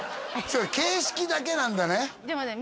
それ形式だけなんだねでもね